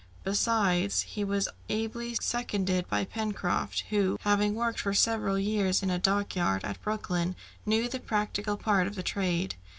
Besides, he was ably seconded by Pencroft, who, having worked for several years in a dockyard at Brooklyn, knew the practical part of the trade.